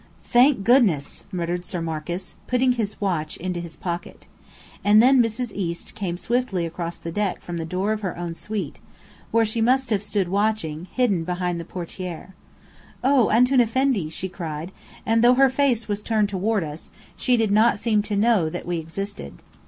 "Thank goodness!" muttered Sir Marcus, putting his watch into his pocket. And then Mrs. East came swiftly across the deck from the door of her own suite, where she must have stood watching, hidden behind the portière. "Oh, Antoun Effendi!" she cried, and though her face was turned toward us, she did not seem to know that we existed.